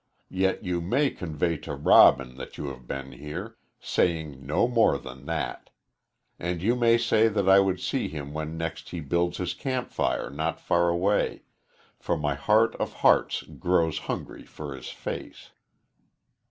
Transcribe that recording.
Yet you may convey to Robin that you have been here saying no more than that. And you may say that I would see him when next he builds his campfire not far away, for my heart of hearts grows hungry for his face."